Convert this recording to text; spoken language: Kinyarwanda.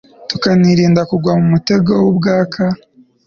tukanirinda kugwa mu mutego w'ubwaka